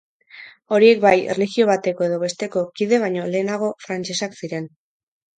Horiek bai, erlijio bateko edo besteko kide baino lehenago, frantsesak ziren.